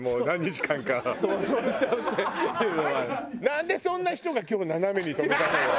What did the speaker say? なんでそんな人が今日斜めに止めたのよ。